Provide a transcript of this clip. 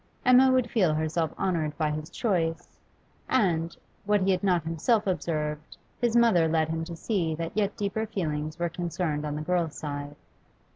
Emma would feel herself honoured by his choice, and, what he had not himself observed, his mother led him to see that yet deeper feelings were concerned on the girl's side.